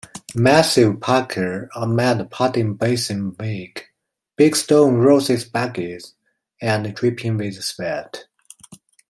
Massive parka, a mad pudding-basin wig, big Stone Roses baggies, and dripping with sweat.